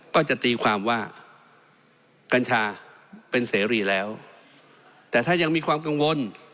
ก็จะตีความว่ากัญชาเป็นเสรีแล้วแต่ถ้ายังมีความกังวล